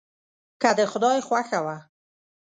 که د خدای خوښه وه.